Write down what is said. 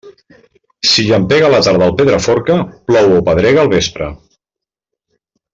Si llampega a la tarda al Pedraforca, plou o pedrega al vespre.